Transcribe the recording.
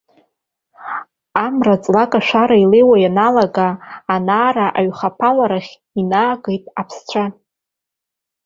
Амра ҵлак ашәара илеиуа ианалага, анаара аҩхаԥаларахь инаагеит аԥсцәа.